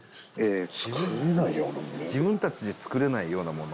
伊達：自分たちで作れないようなもの？